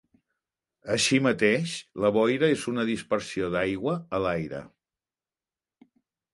Així mateix, la boira és una dispersió d'aigua a l'aire.